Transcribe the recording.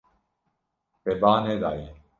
Te ba nedaye.